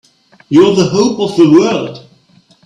You're the hope of the world!